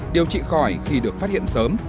điều trị khỏi khi được phát hiện sớm